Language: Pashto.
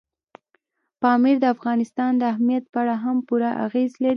پامیر د افغانستان د امنیت په اړه هم پوره اغېز لري.